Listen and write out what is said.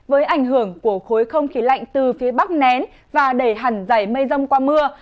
với ảnh hưởng của khối không khí lạnh từ phía bắc nén và đẩy hẳn dày mây rông qua mưa